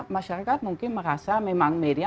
masyarakat mungkin merasa memang media